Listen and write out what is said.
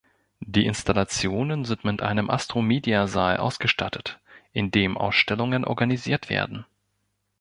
Die Installationen sind mit einem Astromedia-Saal ausgestattet, in dem Ausstellungen organisiert werden.